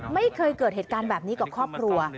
ไม่เคยเกิดเหตุการณ์แบบนี้กับครอบครัว